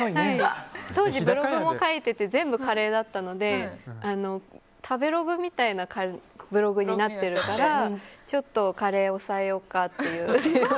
当時、ブログも書いていて全部カレーだったので食べログみたいなブログになってるからちょっとカレー抑えようかって。